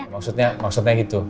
maksudnya maksudnya gitu